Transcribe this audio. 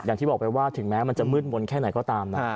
อย่างที่บอกไปว่าถึงแม้มันจะมืดมนต์แค่ไหนก็ตามนะ